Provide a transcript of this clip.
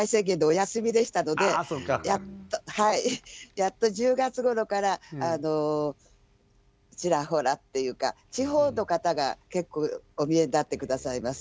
やっと１０月ごろからちらほらっていうか地方の方が結構お見えになって下さいます。